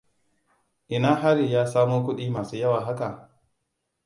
Ina Haryy ya samo kuɗi masu yawa haka?